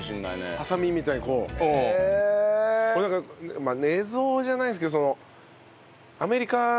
俺なんか寝相じゃないですけど。